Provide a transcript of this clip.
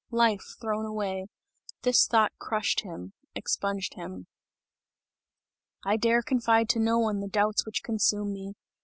Life thrown away!" This thought, crushed him expunged him. "I dare confide to none the doubts which consume me!